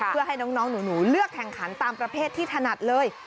เพื่อให้น้องหนูเลือกแข่งขันตามประเภทที่ถนัดเลย